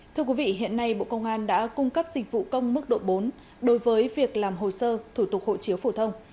thưa quý vị hiện nay bộ công an đã cung cấp dịch vụ công mức độ bốn đối với việc làm hồ sơ thủ tục hộ chiếu phổ thông